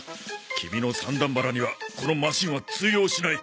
キミの三段腹にはこのマシンは通用しない！